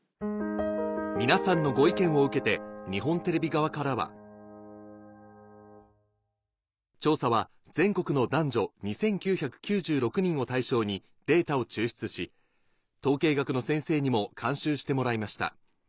皆さんのご意見を受けて日本テレビ側からは「調査は全国の男女２９９６人を対象にデータを抽出し統計学の先生にも監修してもらいました」